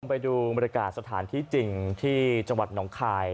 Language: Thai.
ไปดูบริการสถานทีจริงที่จังหวัดนำคาย